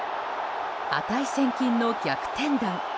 値千金の逆転弾。